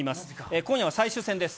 今夜は最終戦です。